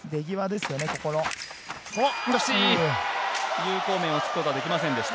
有効面を突くことができませんでした。